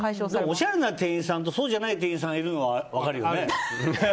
おしゃれな店員さんとそうじゃない店員さんがいるのは分かるよね？